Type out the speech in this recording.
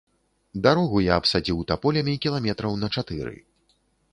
Дарогу я абсадзіў таполямі кіламетраў на чатыры.